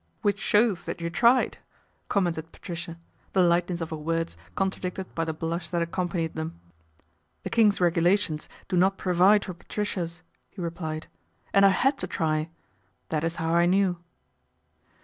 " Which shows that you tried," commented Patricia, the lightness of her words contradicted by the blush that accompanied them. " The King's Regulations do not provide for Patricias," he replied, " and I had to try. That is now I knew."